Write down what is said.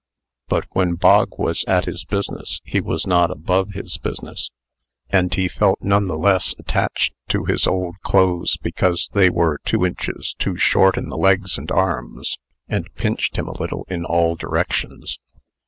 But when Bog was at his business, he was not above his business. And he felt none the less attached to his old clothes because they were two inches too short in the legs and arms, and pinched him a little in all directions.